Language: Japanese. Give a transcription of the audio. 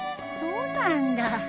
そうなんだ。